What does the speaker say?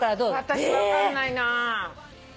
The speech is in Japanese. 私分かんないな。